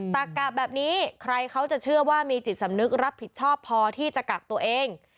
ตักกะแบบนี้ใครเขาจะเชื่อว่ามีจิตสำนึกรับผิดชอบพอที่จะกักตัวเอง